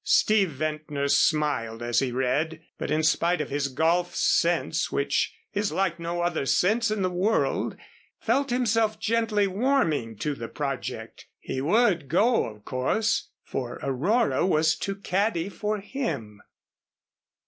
Steve Ventnor smiled as he read, but in spite of his golf sense, which is like no other sense in the world, felt himself gently warming to the project. He would go of course for Aurora was to caddy for him.